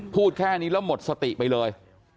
พูดแค่นี้แล้วหมดสติไปเลย